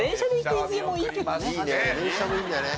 電車もいいんだよね